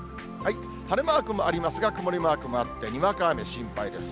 晴れマークもありますが、曇りマークもあって、にわか雨、心配です。